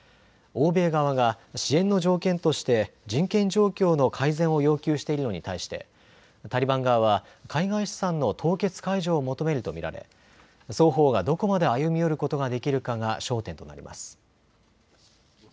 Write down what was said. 欧米側が支援の条件として人権状況の改善を要求しているのに対してタリバン側は海外資産の凍結解除を求めると見られ双方がどこまで歩み寄ることができるかが焦点となります。